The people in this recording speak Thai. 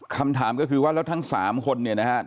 คำถามก็คือว่าแล้วทั้ง๓คนเนี่ยนะครับ